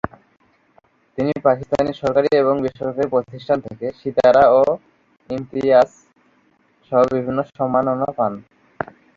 তিনি পাকিস্তানি সরকারি এবং বেসরকারি প্রতিষ্ঠান থেকে "সিতারা-এ-ইমতিয়াজ" সহ বিভিন্ন সম্মাননা পান।